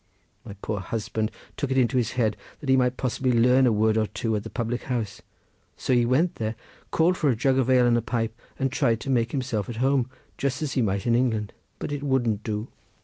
My poor husband took it into his head that he might possibly learn a word or two at the public house, so he went there, called for a jug of ale and a pipe, and tried to make himself at home just as he might in England, but it wouldn't do.